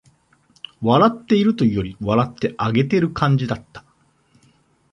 笑っているというより、笑ってあげてる感じだった